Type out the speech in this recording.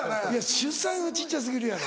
出産は小っちゃ過ぎるやろ。